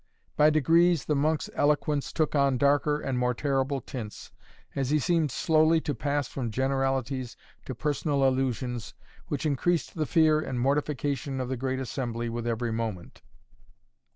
By degrees the monk's eloquence took on darker and more terrible tints, as he seemed slowly to pass from generalities to personal allusions, which increased the fear and mortification of the great assembly with every moment.